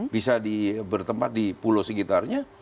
bisa bertempat di pulau sekitarnya